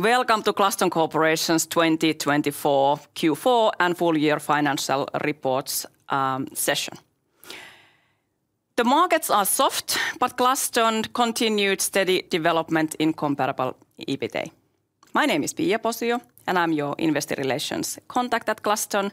Welcome to Glaston Corporation's 2024 Q4 and full year financial reports session. The markets are soft, but Glaston continued steady development in comparable EBITDA. My name is Pia Posio, and I'm your Investor Relations contact at Glaston.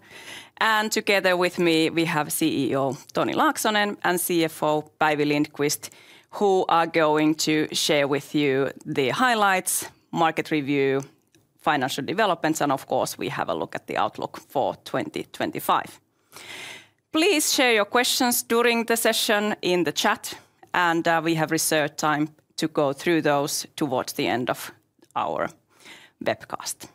Together with me, we have CEO Toni Laaksonen and CFO Päivi Lindqvist, who are going to share with you the highlights, market review, financial developments, and of course, we have a look at the outlook for 2025. Please share your questions during the session in the chat, and we have reserved time to go through those towards the end of our webcast.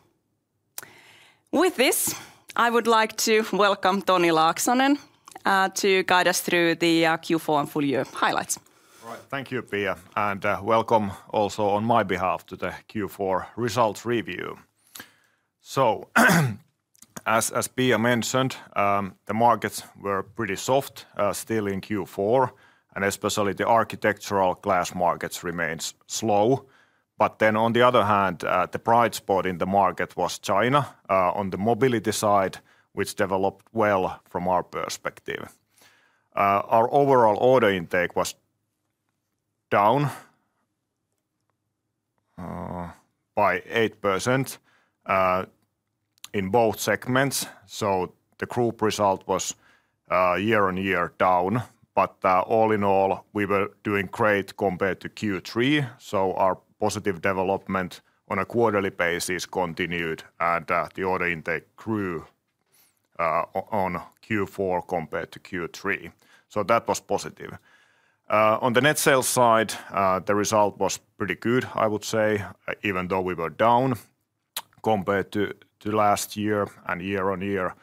With this, I would like to welcome Toni Laaksonen to guide us through the Q4 and full year highlights. Thank you, Pia, and welcome also on my behalf to the Q4 results review. As Pia mentioned, the markets were pretty soft still in Q4, and especially the architectural glass markets remained slow. On the other hand, the bright spot in the market was China on the mobility side, which developed well from our perspective. Our overall order intake was down by 8% in both segments, so the group result was year-on-year down. All in all, we were doing great compared to Q3, so our positive development on a quarterly basis continued, and the order intake grew on Q4 compared to Q3, so that was positive. On the net sales side, the result was pretty good, I would say, even though we were down compared to last year and year-on-year.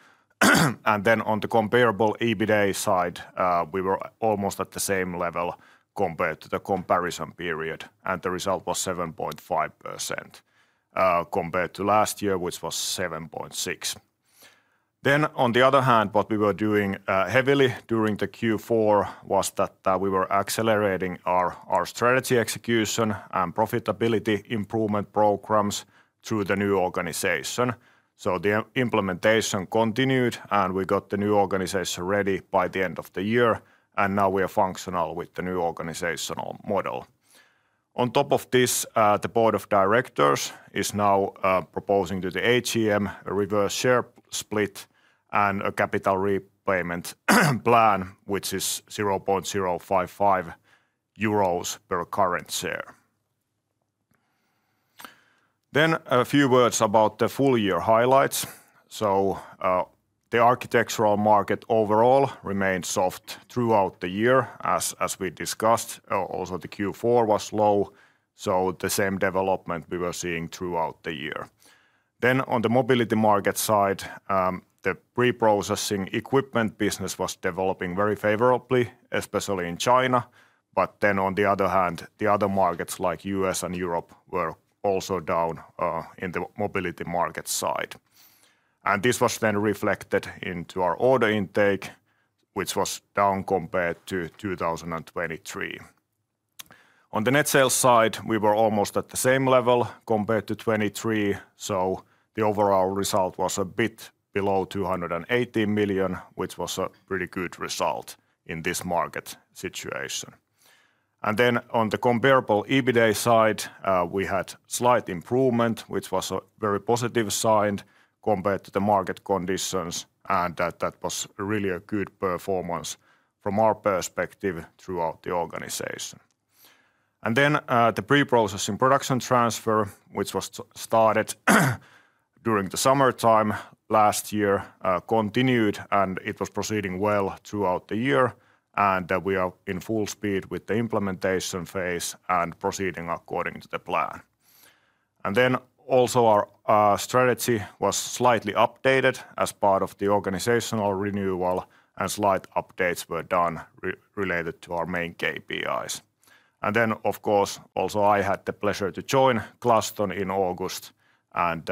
On the comparable EBITDA side, we were almost at the same level compared to the comparison period, and the result was 7.5% compared to last year, which was 7.6%. On the other hand, what we were doing heavily during Q4 was that we were accelerating our strategy execution and profitability improvement programs through the new organization. The implementation continued, and we got the new organization ready by the end of the year, and now we are functional with the new organizational model. On top of this, the board of directors is now proposing to the AGM a reverse share split and a capital repayment plan, which is 0.055 euros per current share. A few words about the full year highlights. The architectural market overall remained soft throughout the year, as we discussed. Also, the Q4 was low, so the same development we were seeing throughout the year. Then, on the mobility market side, the pre-processing equipment business was developing very favorably, especially in China. On the other hand, the other markets like the U.S. and Europe were also down in the mobility market side. This was then reflected into our order intake, which was down compared to 2023. On the net sales side, we were almost at the same level compared to 2023, so the overall result was a bit below 280 million, which was a pretty good result in this market situation. On the comparable EBITDA side, we had slight improvement, which was a very positive sign compared to the market conditions, and that was really a good performance from our perspective throughout the organization. The pre-processing production transfer, which was started during the summertime last year, continued, and it was proceeding well throughout the year. We are in full speed with the implementation phase and proceeding according to the plan. Our strategy was slightly updated as part of the organizational renewal, and slight updates were done related to our main KPIs. Of course, also I had the pleasure to join Glaston in August and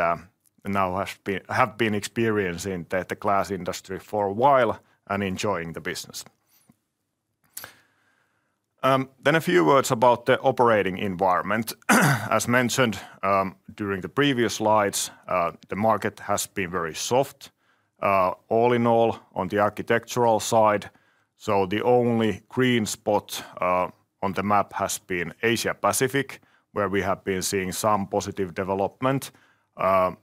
now have been experiencing the glass industry for a while and enjoying the business. A few words about the operating environment. As mentioned during the previous slides, the market has been very soft. All in all, on the architectural side, the only green spot on the map has been Asia-Pacific, where we have been seeing some positive development,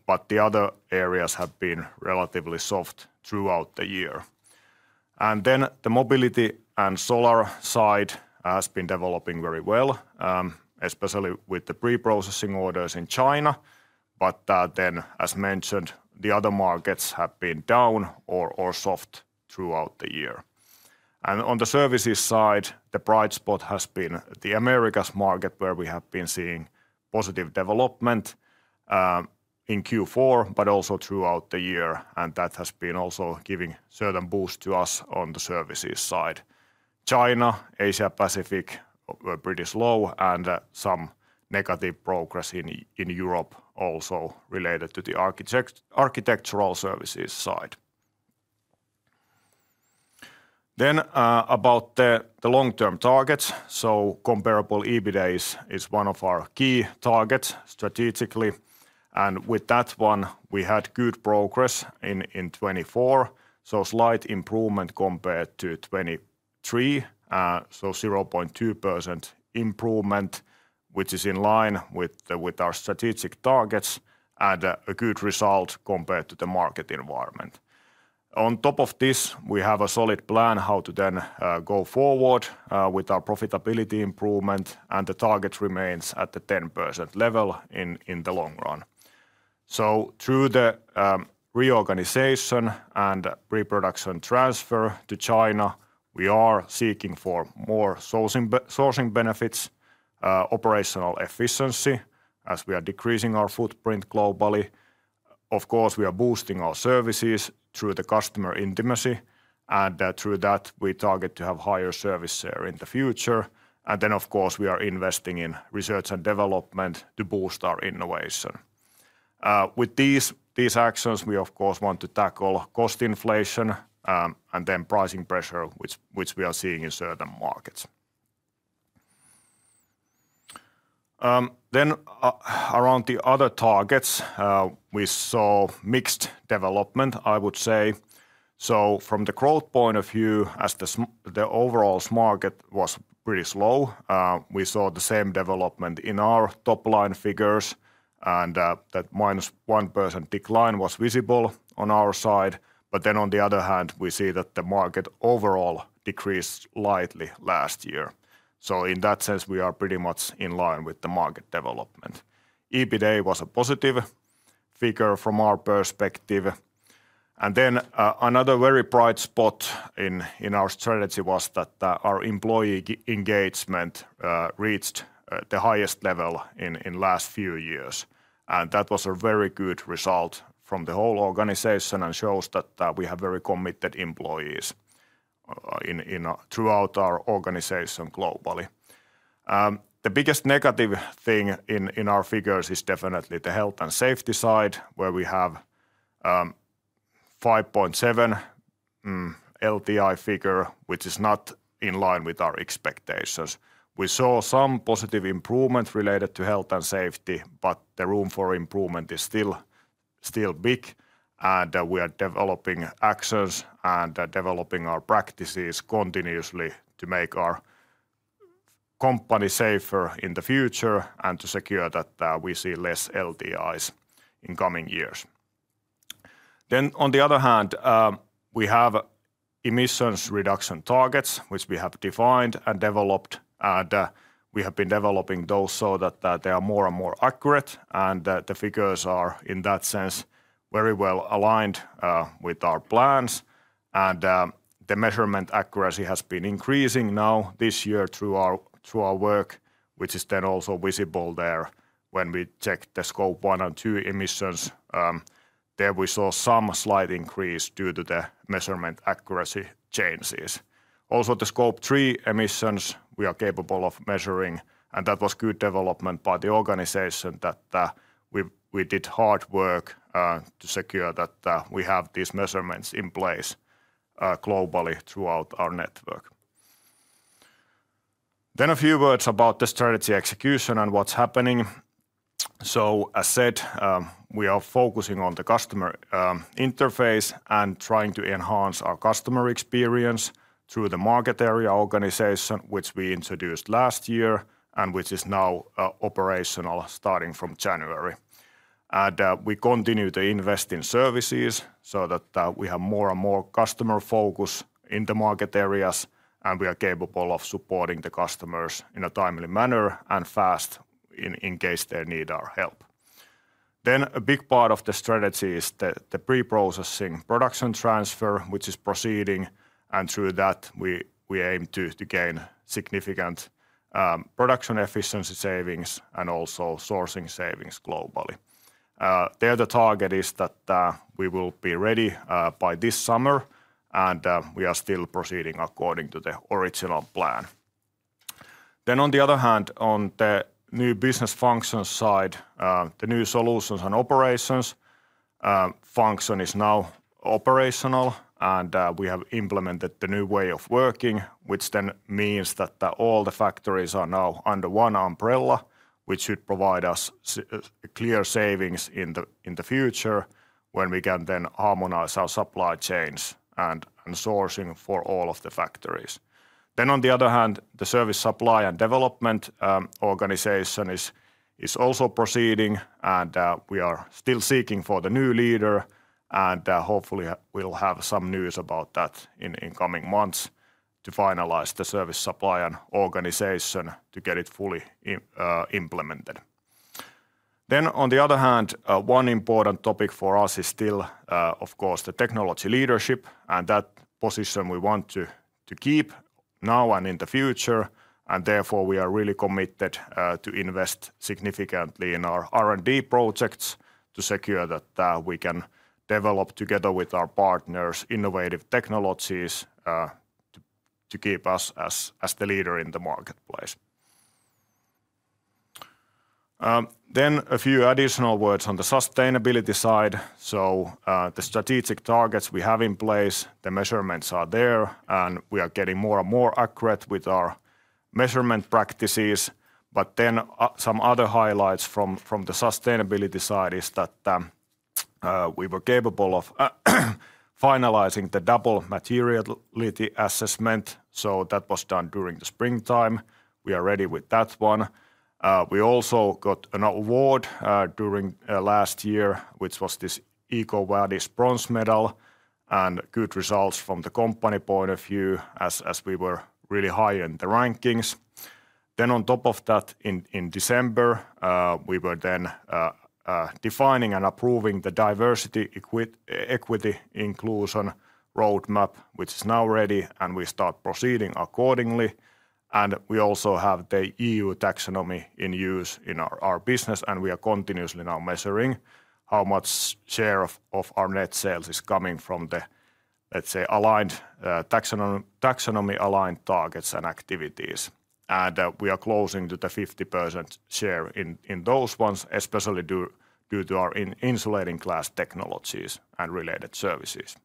but the other areas have been relatively soft throughout the year. The mobility and solar side has been developing very well, especially with the pre-processing orders in China, but then, as mentioned, the other markets have been down or soft throughout the year. On the services side, the bright spot has been the Americas market, where we have been seeing positive development in Q4, but also throughout the year, and that has been also giving a certain boost to us on the services side. China, Asia-Pacific, were pretty slow, and some negative progress in Europe also related to the architectural services side. About the long-term targets, comparable EBITDA is one of our key targets strategically, and with that one, we had good progress in 2024, so slight improvement compared to 2023, so 0.2% improvement, which is in line with our strategic targets and a good result compared to the market environment. On top of this, we have a solid plan how to then go forward with our profitability improvement, and the target remains at the 10% level in the long run. Through the reorganization and pre-production transfer to China, we are seeking for more sourcing benefits, operational efficiency, as we are decreasing our footprint globally. Of course, we are boosting our services through the customer intimacy, and through that, we target to have higher service share in the future. Of course, we are investing in research and development to boost our innovation. With these actions, we, of course, want to tackle cost inflation and then pricing pressure, which we are seeing in certain markets. Around the other targets, we saw mixed development, I would say. From the growth point of view, as the overall market was pretty slow, we saw the same development in our top line figures, and that -1% decline was visible on our side. On the other hand, we see that the market overall decreased slightly last year. In that sense, we are pretty much in line with the market development. EBITDA was a positive figure from our perspective. Another very bright spot in our strategy was that our employee engagement reached the highest level in the last few years. That was a very good result from the whole organization and shows that we have very committed employees throughout our organization globally. The biggest negative thing in our figures is definitely the health and safety side, where we have a 5.7 LTI figure, which is not in line with our expectations. We saw some positive improvement related to health and safety, but the room for improvement is still big, and we are developing actions and developing our practices continuously to make our company safer in the future and to secure that we see less LTIs in coming years. On the other hand, we have emissions reduction targets, which we have defined and developed, and we have been developing those so that they are more and more accurate, and the figures are in that sense very well aligned with our plans. The measurement accuracy has been increasing now this year through our work, which is then also visible there when we check the scope one and two emissions. There we saw some slight increase due to the measurement accuracy changes. Also, the scope three emissions we are capable of measuring, and that was good development by the organization that we did hard work to secure that we have these measurements in place globally throughout our network. A few words about the strategy execution and what's happening. As said, we are focusing on the customer interface and trying to enhance our customer experience through the market area organization, which we introduced last year and which is now operational starting from January. We continue to invest in services so that we have more and more customer focus in the market areas, and we are capable of supporting the customers in a timely manner and fast in case they need our help. A big part of the strategy is the pre-processing production transfer, which is proceeding, and through that, we aim to gain significant production efficiency savings and also sourcing savings globally. The target is that we will be ready by this summer, and we are still proceeding according to the original plan. On the other hand, on the new business function side, the new solutions and operations function is now operational, and we have implemented the new way of working, which means that all the factories are now under one umbrella, which should provide us clear savings in the future when we can then harmonize our supply chains and sourcing for all of the factories. On the other hand, the service supply and development organization is also proceeding, and we are still seeking for the new leader, and hopefully we'll have some news about that in coming months to finalize the service supply and organization to get it fully implemented. One important topic for us is still, of course, the technology leadership, and that position we want to keep now and in the future, and therefore we are really committed to invest significantly in our R&D projects to secure that we can develop together with our partners innovative technologies to keep us as the leader in the marketplace. A few additional words on the sustainability side. The strategic targets we have in place, the measurements are there, and we are getting more and more accurate with our measurement practices. Some other highlights from the sustainability side are that we were capable of finalizing the double materiality assessment, so that was done during the springtime. We are ready with that one. We also got an award during last year, which was this EcoVadis bronze medal, and good results from the company point of view as we were really high in the rankings. On top of that, in December, we were defining and approving the diversity equity inclusion roadmap, which is now ready, and we start proceeding accordingly. We also have the EU taxonomy in use in our business, and we are continuously now measuring how much share of our net sales is coming from the, let's say, taxonomy-aligned targets and activities. We are closing to the 50% share in those ones, especially due to our insulating glass technologies and related services.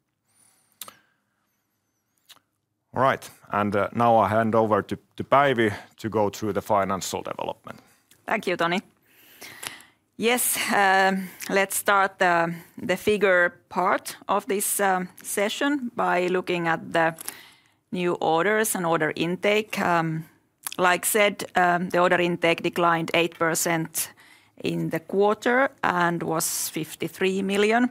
All right, and now I hand over to Päivi to go through the financial development. Thank you, Toni. Yes, let's start the figure part of this session by looking at the new orders and order intake. Like said, the order intake declined 8% in the quarter and was 53 million.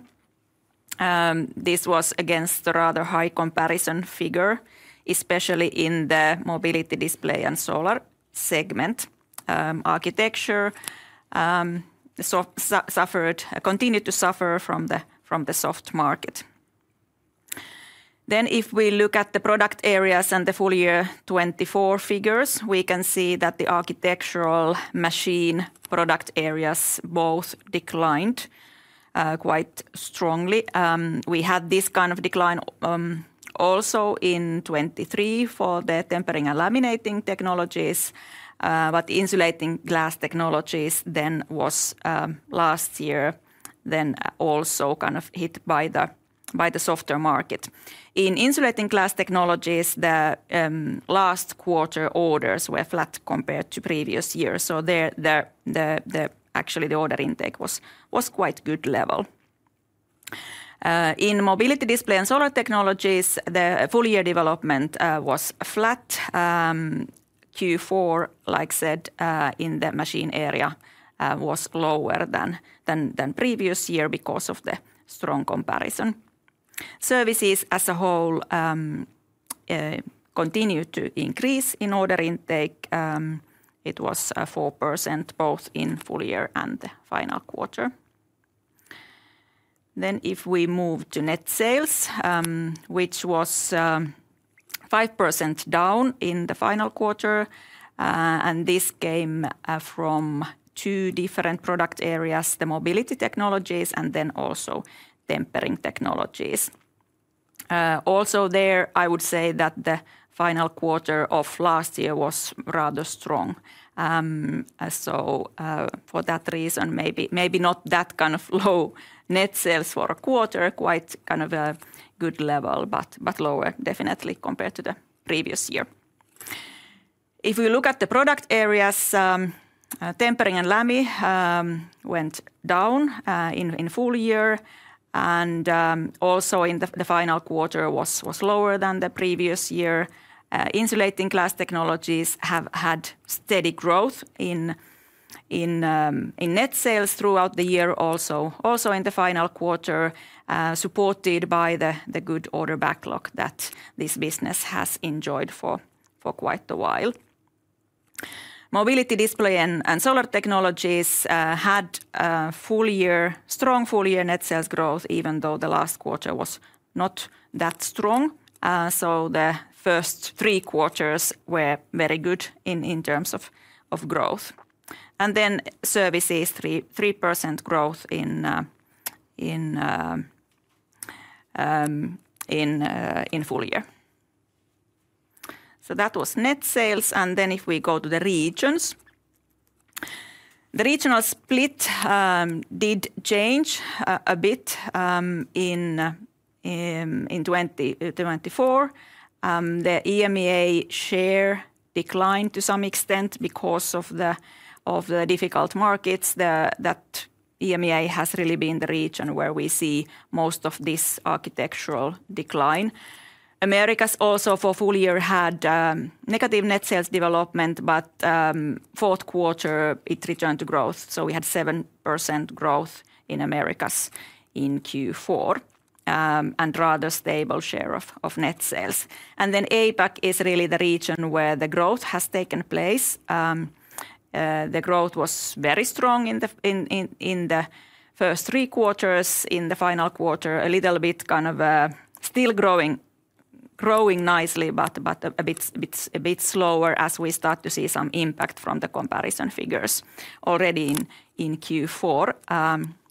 This was against a rather high comparison figure, especially in the mobility display and solar segment. Architecture continued to suffer from the soft market. If we look at the product areas and the full year 2024 figures, we can see that the architectural machine product areas both declined quite strongly. We had this kind of decline also in 2023 for the tempering and laminating technologies, but insulating glass technologies then was last year then also kind of hit by the softer market. In insulating glass technologies, the last quarter orders were flat compared to previous years, so actually the order intake was quite good level. In mobility display and solar technologies, the full year development was flat. Q4, like said, in the machine area was lower than previous year because of the strong comparison. Services as a whole continued to increase in order intake. It was 4% both in full year and the final quarter. If we move to net sales, which was 5% down in the final quarter, this came from two different product areas, the mobility technologies and then also tempering technologies. Also there, I would say that the final quarter of last year was rather strong. For that reason, maybe not that kind of low net sales for a quarter, quite kind of a good level, but lower definitely compared to the previous year. If we look at the product areas, tempering and laminating went down in full year, and also in the final quarter was lower than the previous year. Insulating glass technologies have had steady growth in net sales throughout the year, also in the final quarter, supported by the good order backlog that this business has enjoyed for quite a while. Mobility display and solar technologies had strong full year net sales growth, even though the last quarter was not that strong. The first three quarters were very good in terms of growth. Services, 3% growth in full year. That was net sales. If we go to the regions, the regional split did change a bit in 2024. The EMEA share declined to some extent because of the difficult markets. EMEA has really been the region where we see most of this architectural decline. Americas also for full year had negative net sales development, but fourth quarter it returned to growth. We had 7% growth in Americas in Q4 and rather stable share of net sales. APAC is really the region where the growth has taken place. The growth was very strong in the first three quarters. In the final quarter, a little bit kind of still growing nicely, but a bit slower as we start to see some impact from the comparison figures already in Q4.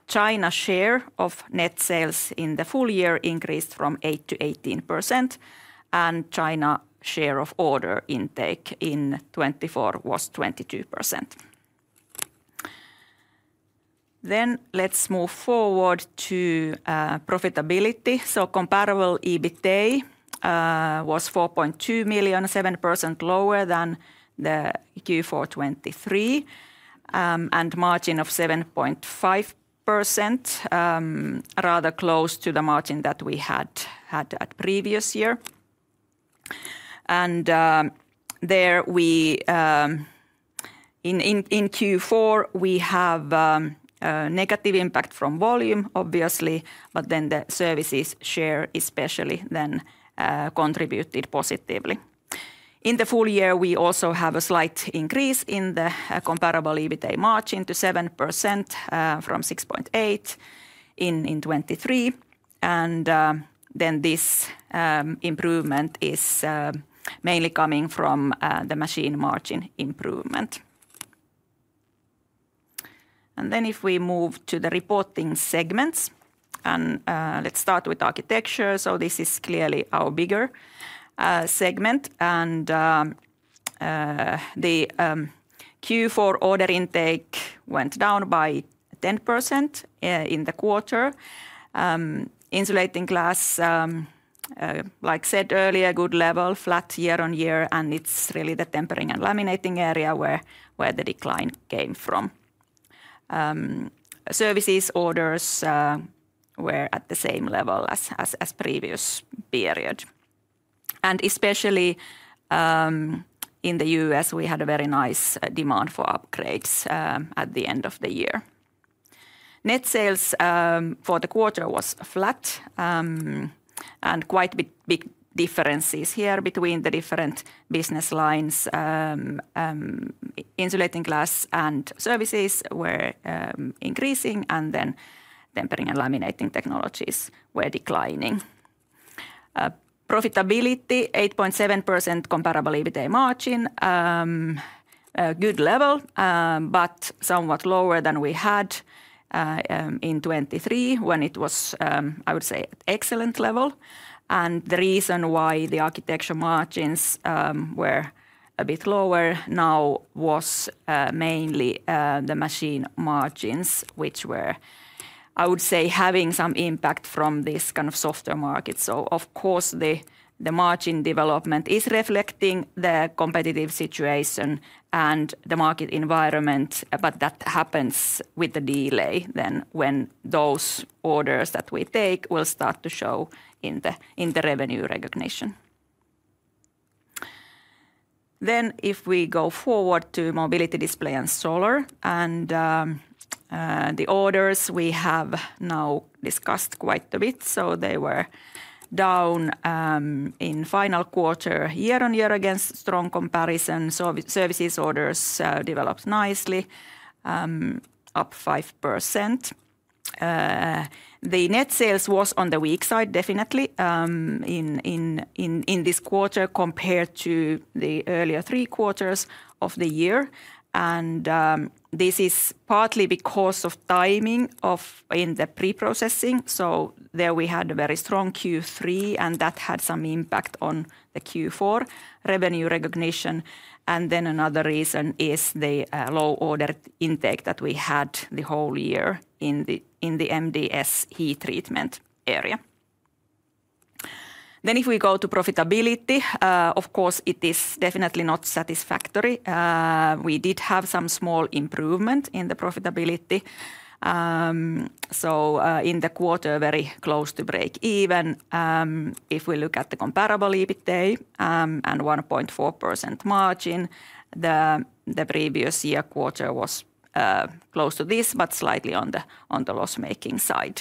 China's share of net sales in the full year increased from 8%-18%, and China's share of order intake in 2024 was 22%. Let's move forward to profitability. Comparable EBITDA was 4.2 million, 7% lower than the Q4 2023, and margin of 7.5%, rather close to the margin that we had had previous year. There in Q4 we have negative impact from volume, obviously, but then the services share especially contributed positively. In the full year, we also have a slight increase in the comparable EBITDA margin to 7% from 6.8% in 2023. This improvement is mainly coming from the machine margin improvement. If we move to the reporting segments, let's start with architecture. This is clearly our bigger segment, and the Q4 order intake went down by 10% in the quarter. Insulating glass, like said earlier, good level, flat year on year, and it's really the tempering and laminating area where the decline came from. Services orders were at the same level as previous period. Especially in the U.S., we had a very nice demand for upgrades at the end of the year. Net sales for the quarter was flat, and quite big differences here between the different business lines. Insulating glass and services were increasing, and then tempering and laminating technologies were declining. Profitability, 8.7% comparable EBITDA margin, good level, but somewhat lower than we had in 2023 when it was, I would say, an excellent level. The reason why the architecture margins were a bit lower now was mainly the machine margins, which were, I would say, having some impact from this kind of softer market. Of course, the margin development is reflecting the competitive situation and the market environment, but that happens with the delay then when those orders that we take will start to show in the revenue recognition. If we go forward to mobility display and solar, the orders we have now discussed quite a bit, so they were down in final quarter year on year against strong comparison. Services orders developed nicely, up 5%. The net sales was on the weak side, definitely, in this quarter compared to the earlier three quarters of the year. This is partly because of timing in the pre-processing. There we had a very strong Q3, and that had some impact on the Q4 revenue recognition. Another reason is the low order intake that we had the whole year in the MDS heat treatment area. If we go to profitability, of course, it is definitely not satisfactory. We did have some small improvement in the profitability. In the quarter, very close to break even. If we look at the comparable EBITDA and 1.4% margin, the previous year quarter was close to this, but slightly on the loss-making side.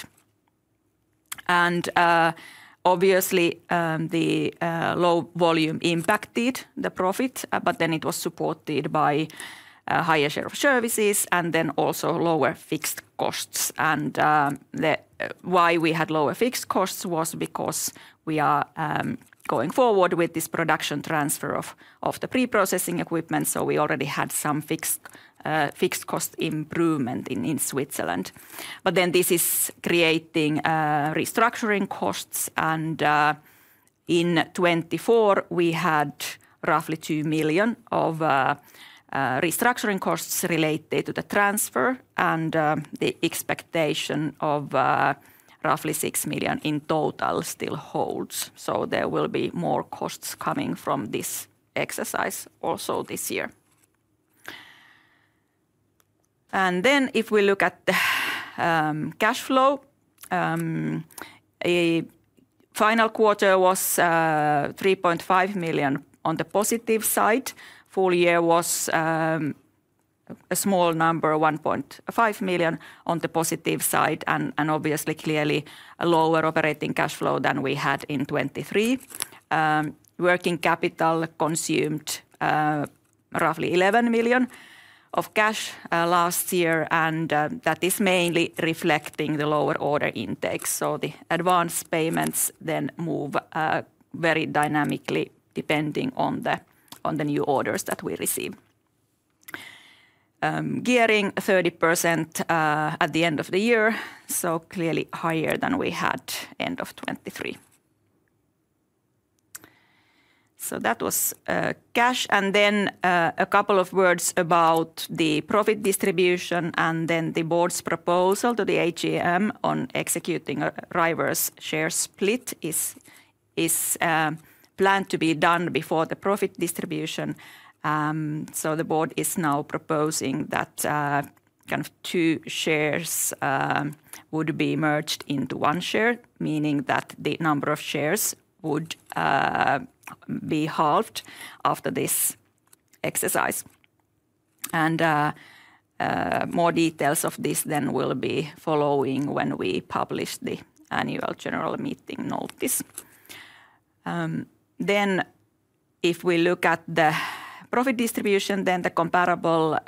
Obviously, the low volume impacted the profit, but it was supported by a higher share of services and also lower fixed costs. The reason we had lower fixed costs was because we are going forward with this production transfer of the pre-processing equipment. We already had some fixed cost improvement in Switzerland. This is creating restructuring costs. In 2024, we had roughly 2 million of restructuring costs related to the transfer, and the expectation of roughly 6 million in total still holds. There will be more costs coming from this exercise also this year. If we look at the cash flow, final quarter was 3.5 million on the positive side. Full year was a small number, 1.5 million on the positive side, and obviously, clearly a lower operating cash flow than we had in 2023. Working capital consumed roughly 11 million of cash last year, and that is mainly reflecting the lower order intake. The advance payments then move very dynamically depending on the new orders that we receive. Gearing 30% at the end of the year, so clearly higher than we had end of 2023. That was cash. A couple of words about the profit distribution and then the board's proposal to the AGM on executing reverse share split is planned to be done before the profit distribution. The board is now proposing that kind of two shares would be merged into one share, meaning that the number of shares would be halved after this exercise. More details of this will be following when we publish the annual general meeting notice. If we look at the profit distribution, the comparable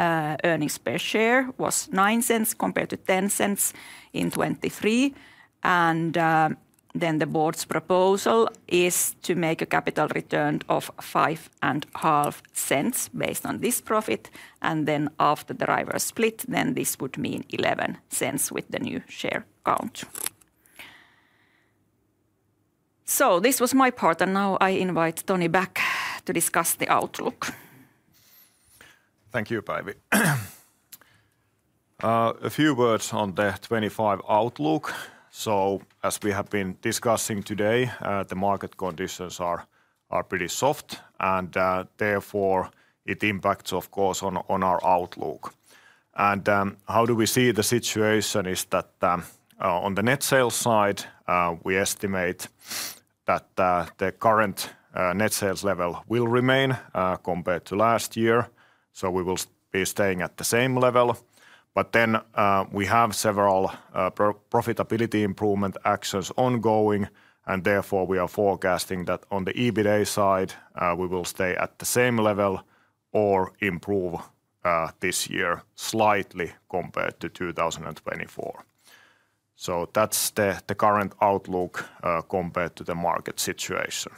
earnings per share was 0.09 compared to 0.10 in 2023. The board's proposal is to make a capital return of 0.055 based on this profit. After the reverse share split, this would mean 0.11 with the new share count. This was my part, and now I invite Toni back to discuss the outlook. Thank you, Päivi. A few words on the 2025 outlook. As we have been discussing today, the market conditions are pretty soft, and therefore it impacts, of course, on our outlook. How we see the situation is that on the net sales side, we estimate that the current net sales level will remain compared to last year. We will be staying at the same level. We have several profitability improvement actions ongoing, and therefore we are forecasting that on the EBITDA side, we will stay at the same level or improve this year slightly compared to 2024. That is the current outlook compared to the market situation.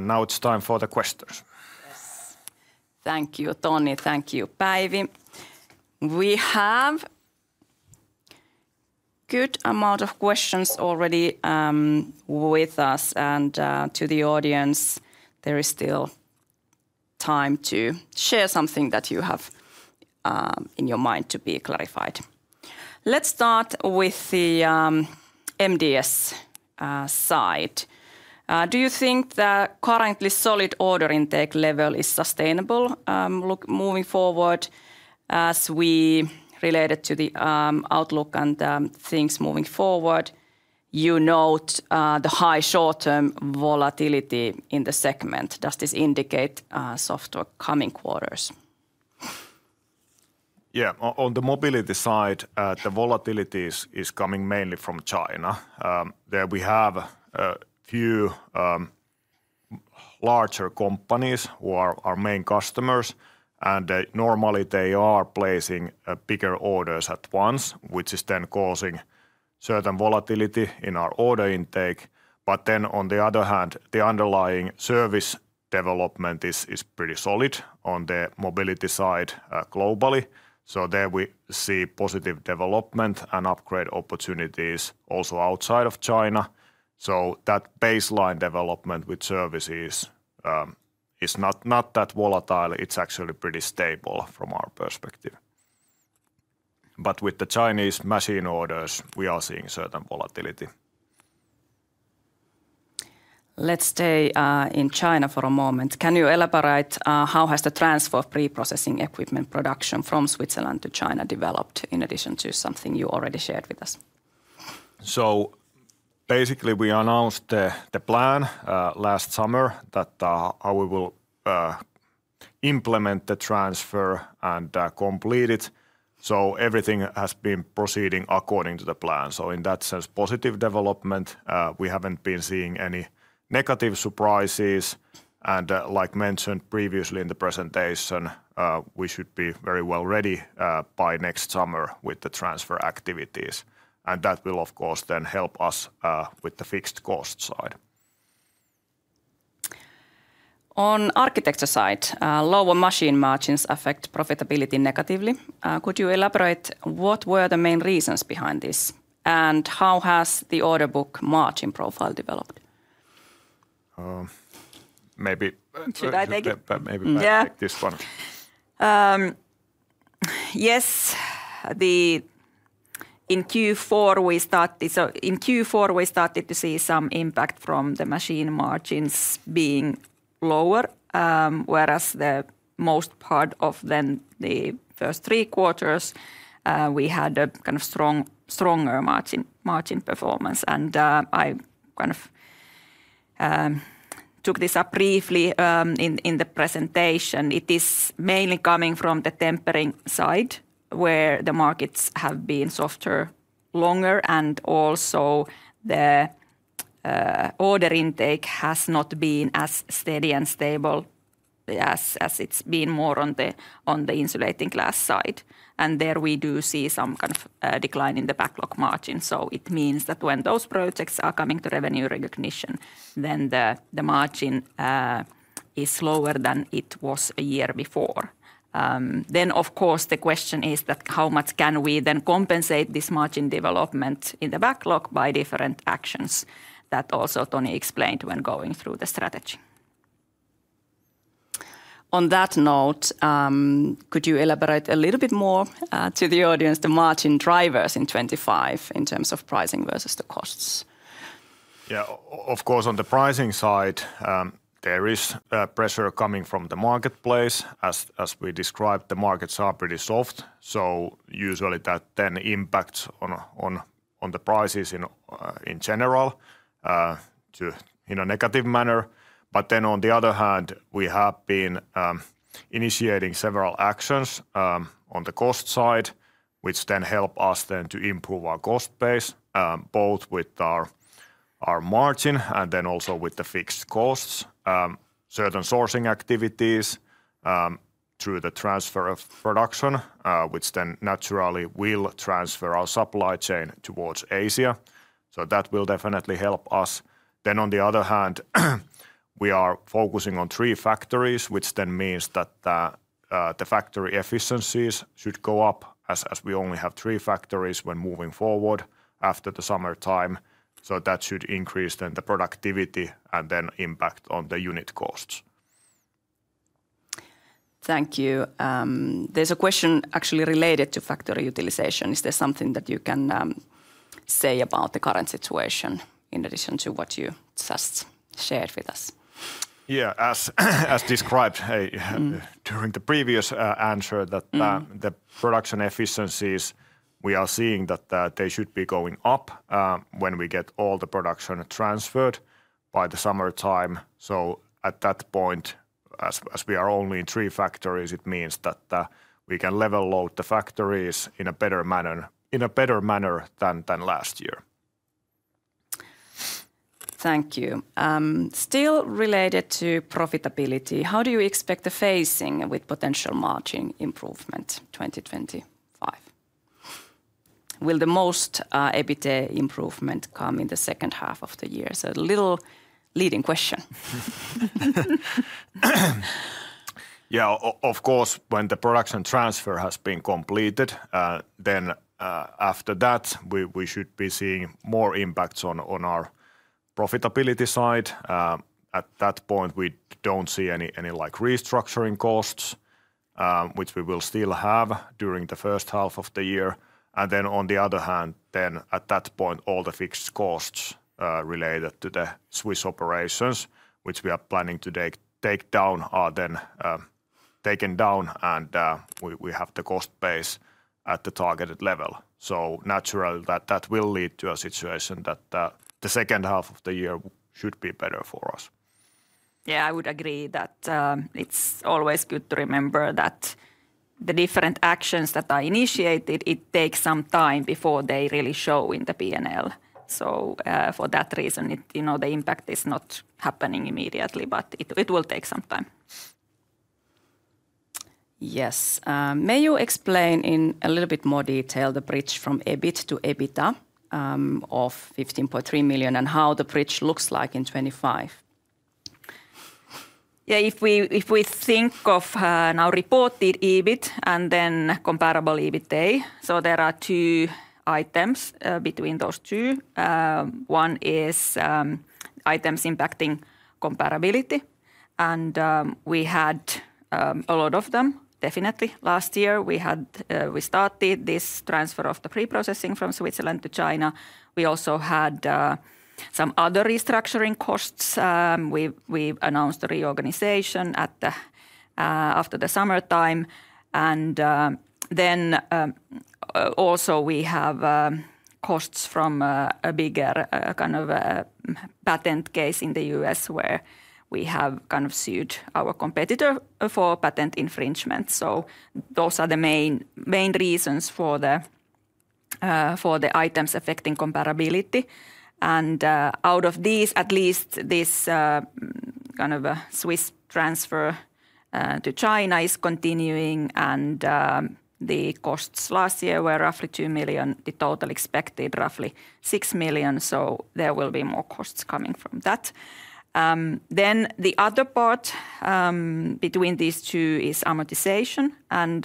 Now it is time for the questions. Yes. Thank you, Toni. Thank you, Päivi. We have a good amount of questions already with us, and to the audience, there is still time to share something that you have in your mind to be clarified. Let's start with the MDS side. Do you think the currently solid order intake level is sustainable moving forward as we relate it to the outlook and things moving forward? You note the high short-term volatility in the segment. Does this indicate soft coming quarters? Yeah, on the mobility side, the volatility is coming mainly from China. There we have a few larger companies who are our main customers, and normally they are placing bigger orders at once, which is then causing certain volatility in our order intake. On the other hand, the underlying service development is pretty solid on the mobility side globally. There we see positive development and upgrade opportunities also outside of China. That baseline development with services is not that volatile. It's actually pretty stable from our perspective. With the Chinese machine orders, we are seeing certain volatility. Let's stay in China for a moment. Can you elaborate how has the transfer of pre-processing equipment production from Switzerland to China developed in addition to something you already shared with us? Basically, we announced the plan last summer that how we will implement the transfer and complete it. Everything has been proceeding according to the plan. In that sense, positive development. We have not been seeing any negative surprises. Like mentioned previously in the presentation, we should be very well ready by next summer with the transfer activities. That will, of course, then help us with the fixed cost side. On architecture side, lower machine margins affect profitability negatively. Could you elaborate what were the main reasons behind this and how has the order book margin profile developed? Maybe. Should I take it? Maybe I'll take this one. Yes. In Q4, we started to see some impact from the machine margins being lower, whereas the most part of the first three quarters, we had a kind of stronger margin performance. I kind of took this up briefly in the presentation. It is mainly coming from the tempering side where the markets have been softer longer, and also the order intake has not been as steady and stable as it has been more on the insulating glass side. There we do see some kind of decline in the backlog margin. It means that when those projects are coming to revenue recognition, the margin is lower than it was a year before. Of course, the question is how much can we then compensate this margin development in the backlog by different actions that also Toni explained when going through the strategy. On that note, could you elaborate a little bit more to the audience? The margin drivers in 2025 in terms of pricing versus the costs? Yeah, of course, on the pricing side, there is pressure coming from the marketplace. As we described, the markets are pretty soft. Usually that then impacts on the prices in general in a negative manner. On the other hand, we have been initiating several actions on the cost side, which then help us to improve our cost base, both with our margin and also with the fixed costs. Certain sourcing activities through the transfer of production, which then naturally will transfer our supply chain towards Asia. That will definitely help us. On the other hand, we are focusing on three factories, which then means that the factory efficiencies should go up as we only have three factories when moving forward after the summertime. That should increase the productivity and then impact on the unit costs. Thank you. There's a question actually related to factory utilization. Is there something that you can say about the current situation in addition to what you just shared with us? Yeah, as described during the previous answer, that the production efficiencies, we are seeing that they should be going up when we get all the production transferred by the summertime. At that point, as we are only in three factories, it means that we can level load the factories in a better manner than last year. Thank you. Still related to profitability, how do you expect the phasing with potential margin improvement 2025? Will the most EBITDA improvement come in the second half of the year? A little leading question. Yeah, of course, when the production transfer has been completed, then after that, we should be seeing more impacts on our profitability side. At that point, we do not see any restructuring costs, which we will still have during the first half of the year. On the other hand, at that point, all the fixed costs related to the Swiss operations, which we are planning to take down, are then taken down, and we have the cost base at the targeted level. Naturally, that will lead to a situation that the second half of the year should be better for us. Yeah, I would agree that it is always good to remember that the different actions that are initiated, it takes some time before they really show in the P&L. For that reason, the impact is not happening immediately, but it will take some time. Yes. May you explain in a little bit more detail the bridge from EBIT to EBITDA of 15.3 million and how the bridge looks like in 2025? Yeah, if we think of now reported EBIT and then comparable EBITDA, so there are two items between those two. One is items impacting comparability, and we had a lot of them, definitely. Last year, we started this transfer of the pre-processing from Switzerland to China. We also had some other restructuring costs. We announced the reorganization after the summertime. Also, we have costs from a bigger kind of patent case in the U.S. where we have kind of sued our competitor for patent infringement. Those are the main reasons for the items affecting comparability. Out of these, at least this kind of Swiss transfer to China is continuing. The costs last year were roughly 2 million. The total expected roughly 6 million. There will be more costs coming from that. The other part between these two is amortization, and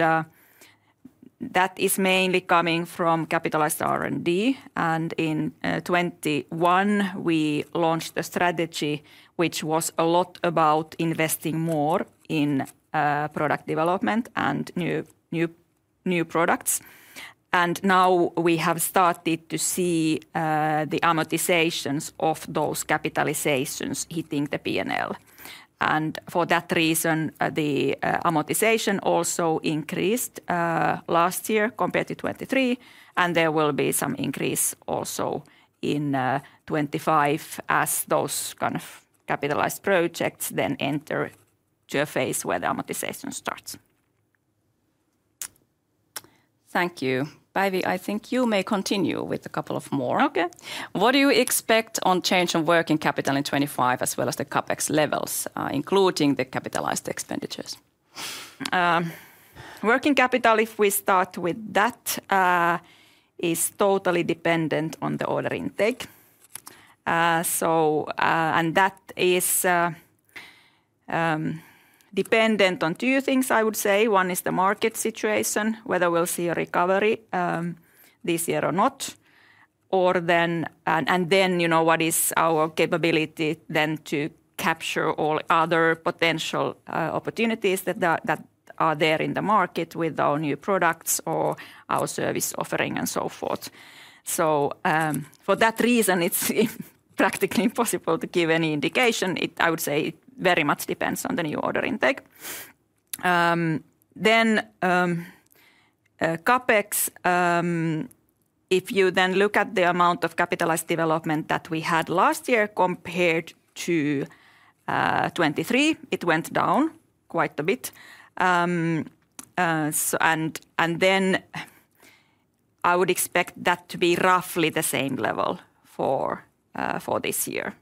that is mainly coming from capitalized R&D. In 2021, we launched a strategy which was a lot about investing more in product development and new products. Now we have started to see the amortizations of those capitalizations hitting the P&L. For that reason, the amortization also increased last year compared to 2023. There will be some increase also in 2025 as those kind of capitalized projects then enter to a phase where the amortization starts. Thank you. Päivi, I think you may continue with a couple of more. Okay. What do you expect on change of working capital in 2025 as well as the CapEx levels, including the capitalized expenditures? Working capital, if we start with that, is totally dependent on the order intake. That is dependent on two things, I would say. One is the market situation, whether we will see a recovery this year or not. What is our capability then to capture all other potential opportunities that are there in the market with our new products or our service offering and so forth. For that reason, it is practically impossible to give any indication. I would say it very much depends on the new order intake. CapEx, if you look at the amount of capitalized development that we had last year compared to 2023, it went down quite a bit. I would expect that to be roughly the same level for this year.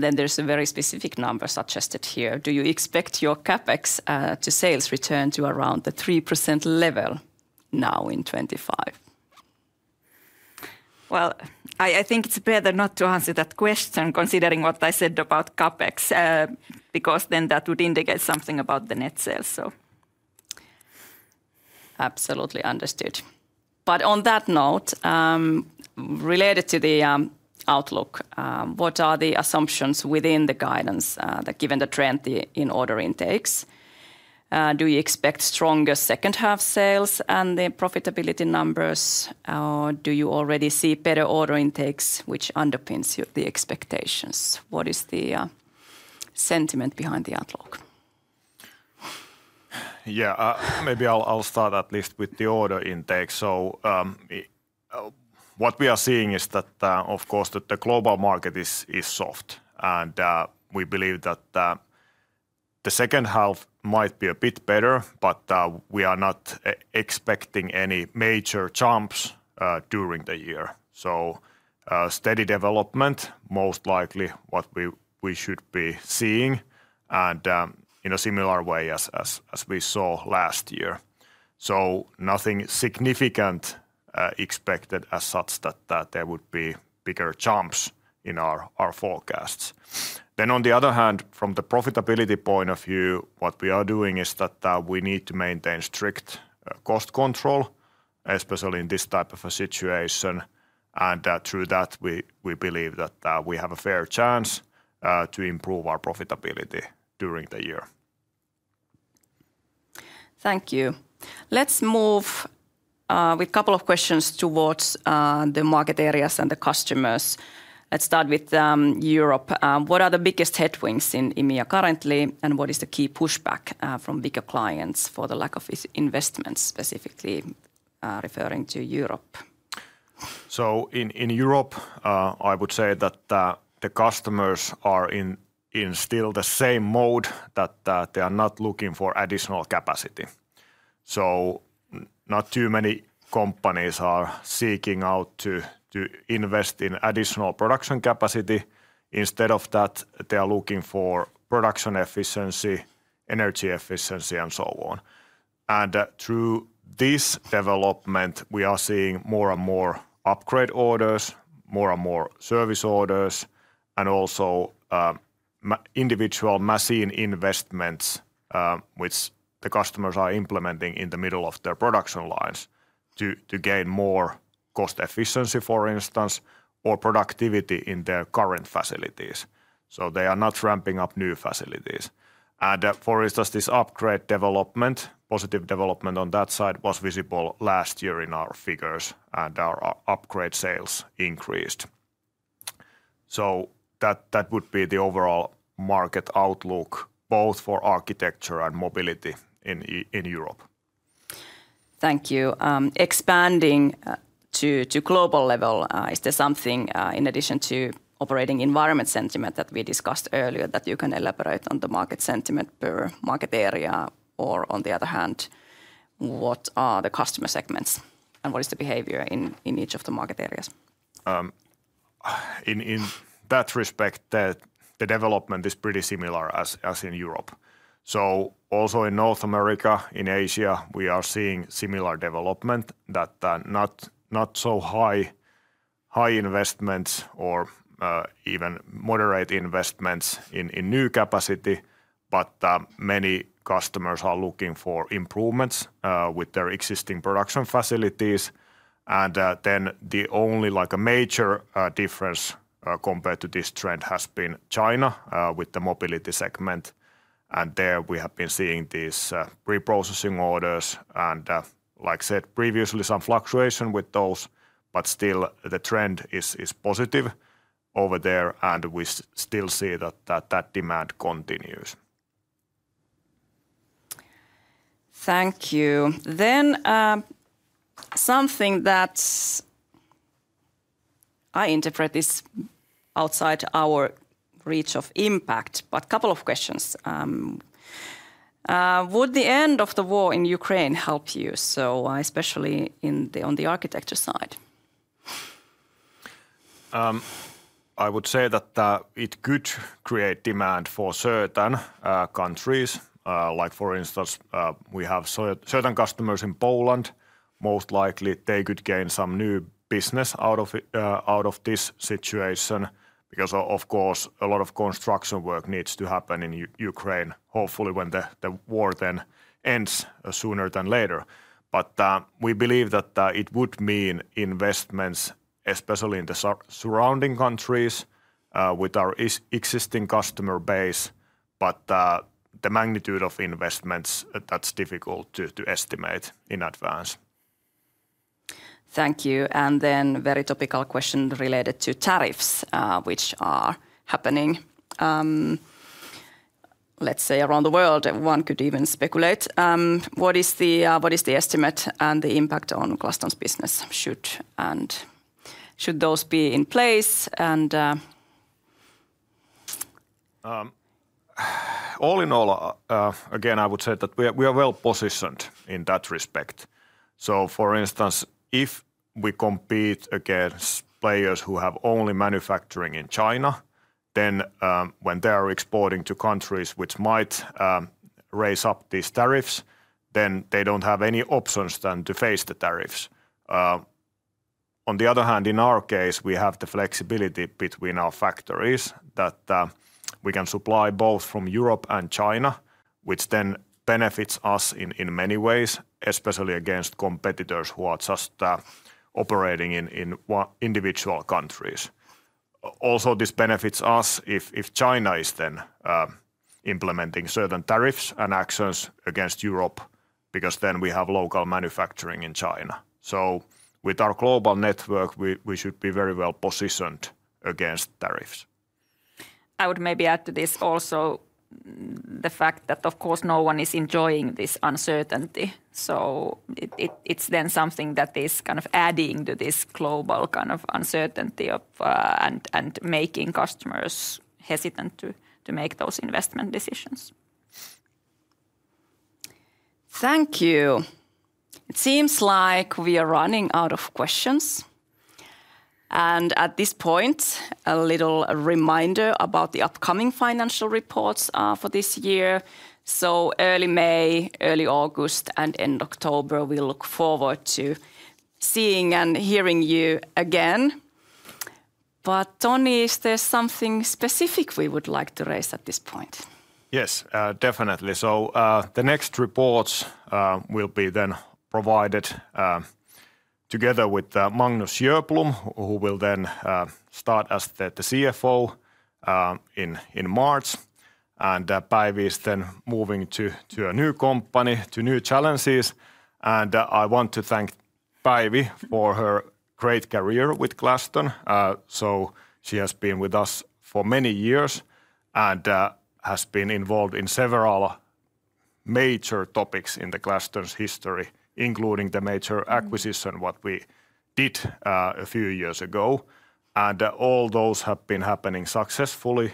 There is a very specific number suggested here. Do you expect your CapEx to sales return to around the 3% level now in 2025? I think it's better not to answer that question considering what I said about CapEx, because then that would indicate something about the net sales. Absolutely understood. On that note, related to the outlook, what are the assumptions within the guidance that given the trend in order intakes? Do you expect stronger second half sales and the profitability numbers? Or do you already see better order intakes, which underpins the expectations? What is the sentiment behind the outlook? Maybe I'll start at least with the order intake. What we are seeing is that, of course, the global market is soft. We believe that the second half might be a bit better, but we are not expecting any major jumps during the year. Steady development, most likely what we should be seeing and in a similar way as we saw last year. Nothing significant expected as such that there would be bigger jumps in our forecasts. On the other hand, from the profitability point of view, what we are doing is that we need to maintain strict cost control, especially in this type of a situation. Through that, we believe that we have a fair chance to improve our profitability during the year. Thank you. Let's move with a couple of questions towards the market areas and the customers. Let's start with Europe. What are the biggest headwinds in IMIA currently, and what is the key pushback from bigger clients for the lack of investments, specifically referring to Europe? In Europe, I would say that the customers are in still the same mode that they are not looking for additional capacity. Not too many companies are seeking out to invest in additional production capacity. Instead of that, they are looking for production efficiency, energy efficiency, and so on. Through this development, we are seeing more and more upgrade orders, more and more service orders, and also individual machine investments, which the customers are implementing in the middle of their production lines to gain more cost efficiency, for instance, or productivity in their current facilities. They are not ramping up new facilities. For instance, this upgrade development, positive development on that side was visible last year in our figures, and our upgrade sales increased. That would be the overall market outlook, both for architecture and mobility in Europe. Thank you. Expanding to global level, is there something in addition to operating environment sentiment that we discussed earlier that you can elaborate on the market sentiment per market area? Or on the other hand, what are the customer segments and what is the behavior in each of the market areas? In that respect, the development is pretty similar as in Europe. Also in North America, in Asia, we are seeing similar development that not so high investments or even moderate investments in new capacity, but many customers are looking for improvements with their existing production facilities. The only major difference compared to this trend has been China with the mobility segment. There we have been seeing these pre-processing orders and, like said previously, some fluctuation with those, but still the trend is positive over there and we still see that that demand continues. Thank you. Something that I interpret is outside our reach of impact, but a couple of questions. Would the end of the war in Ukraine help you, so especially on the architecture side? I would say that it could create demand for certain countries. Like for instance, we have certain customers in Poland. Most likely they could gain some new business out of this situation because, of course, a lot of construction work needs to happen in Ukraine, hopefully when the war then ends sooner than later. We believe that it would mean investments, especially in the surrounding countries with our existing customer base, but the magnitude of investments, that's difficult to estimate in advance. Thank you. A very topical question related to tariffs, which are happening, let's say, around the world. One could even speculate. What is the estimate and the impact on Glaston's business? Should those be in place? All in all, again, I would say that we are well positioned in that respect. For instance, if we compete against players who have only manufacturing in China, then when they are exporting to countries which might raise up these tariffs, then they do not have any options than to face the tariffs. On the other hand, in our case, we have the flexibility between our factories that we can supply both from Europe and China, which then benefits us in many ways, especially against competitors who are just operating in individual countries. Also, this benefits us if China is implementing certain tariffs and actions against Europe, because then we have local manufacturing in China. With our global network, we should be very well positioned against tariffs. I would maybe add to this also the fact that, of course, no one is enjoying this uncertainty. It is then something that is kind of adding to this global kind of uncertainty and making customers hesitant to make those investment decisions. Thank you. It seems like we are running out of questions. At this point, a little reminder about the upcoming financial reports for this year. Early May, early August, and end October, we look forward to seeing and hearing you again. Toni, is there something specific we would like to raise at this point? Yes, definitely. The next reports will be then provided together with Magnus Jöplum, who will then start as the CFO in March. Päivi is then moving to a new company, to new challenges. I want to thank Päivi for her great career with Glaston. She has been with us for many years and has been involved in several major topics in Glaston's history, including the major acquisition what we did a few years ago. All those have been happening successfully.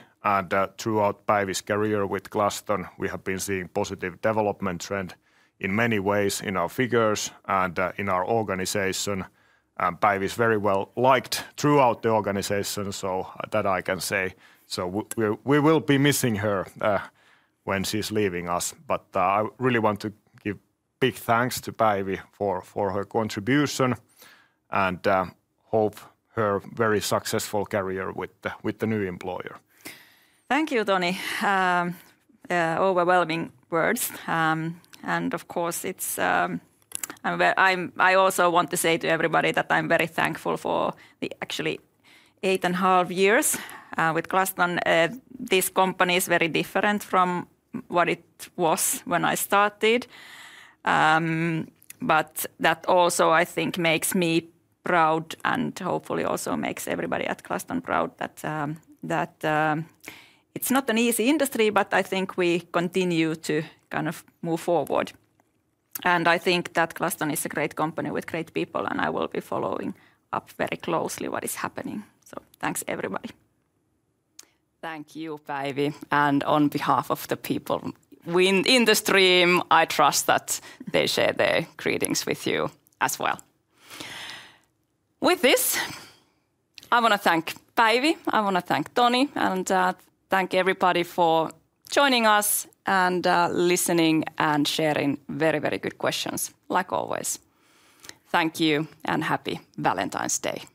Throughout Päivi's career with Glaston, we have been seeing positive development trend in many ways in our figures and in our organization. Päivi is very well liked throughout the organization, so that I can say. We will be missing her when she's leaving us. I really want to give big thanks to Päivi for her contribution and hope her very successful career with the new employer. Thank you, Toni. Overwhelming words. Of course, I also want to say to everybody that I'm very thankful for the actually eight and a half years with Glaston. This company is very different from what it was when I started. That also, I think, makes me proud and hopefully also makes everybody at Glaston proud that it's not an easy industry, but I think we continue to kind of move forward. I think that Glaston is a great company with great people, and I will be following up very closely what is happening. Thanks, everybody. Thank you, Päivi. On behalf of the people in the stream, I trust that they share their greetings with you as well. With this, I want to thank Päivi. I want to thank Toni and thank everybody for joining us and listening and sharing very, very good questions, like always. Thank you and happy Valentine's Day.